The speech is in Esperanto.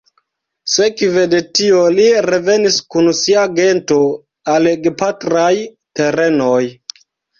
Sekve de tio li revenis kun sia gento al gepatraj terenoj.